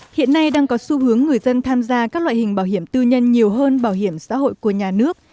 hiện nay đang có xu hướng người dân tham gia các loại hình bảo hiểm tư nhân nhiều hơn bảo hiểm xã hội của nhà nước